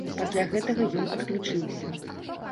Пасля гэтага ён адключыўся.